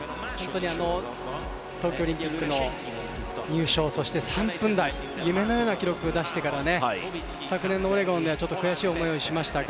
東京オリンピックの入賞、そして３分台夢のような記録を出してから、昨年のオレゴンでは悔しい思いをしましたが